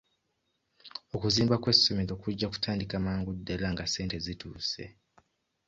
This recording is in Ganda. Okuzimba kw'essomero kujja kutandika mangu ddala nga ssente zituuse.